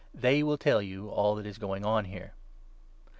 They will tell you all that is going on here.